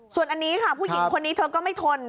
ส่วนอันนี้ค่ะผู้หญิงคนนี้เธอก็ไม่ทน